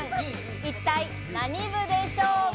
一体何部でしょうか？